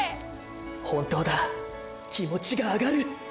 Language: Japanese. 本当だ気持ちがアガる！！